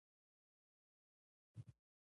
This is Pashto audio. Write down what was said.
فاریاب د قالینو مرکز دی